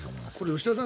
吉田さん